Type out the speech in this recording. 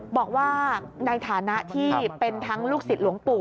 บอกว่าในฐานะที่เป็นทั้งลูกศิษย์หลวงปู่